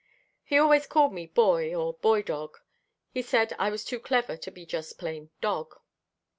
He always called me Boy or Boy Dog. He said I was too clever to be just plain dog.